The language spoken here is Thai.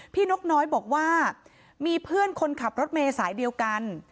นกน้อยบอกว่ามีเพื่อนคนขับรถเมย์สายเดียวกัน